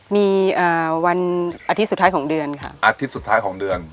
มีอาทิตย์สุดท้ายของเดือน